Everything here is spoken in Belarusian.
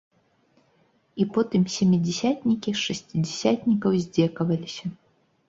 І потым сямідзясятнікі з шасцідзясятнікаў здзекаваліся.